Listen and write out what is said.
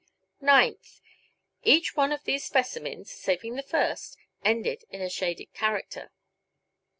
Ninth: Each one of these specimens, saving the first, ended in a shaded character.